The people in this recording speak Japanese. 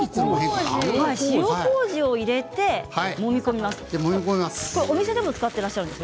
塩こうじを入れてもみ込みます。